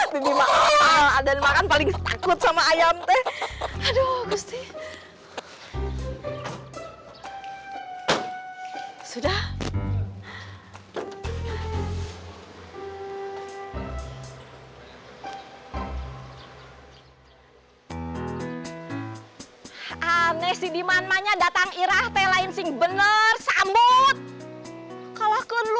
bibi mahal aden makan paling takut sama ayam teh